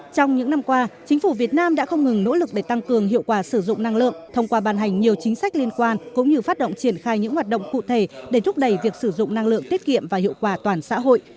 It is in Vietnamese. trong những năm qua chính phủ việt nam đã không ngừng nỗ lực để tăng cường hiệu quả sử dụng năng lượng thông qua ban hành nhiều chính sách liên quan cũng như phát động triển khai những hoạt động cụ thể để thúc đẩy việc sử dụng năng lượng tiết kiệm và hiệu quả toàn xã hội